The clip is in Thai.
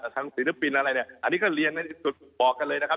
ทางศิลปินอะไรอันนี้เรียนในสุดบอกกันเลยนะครับ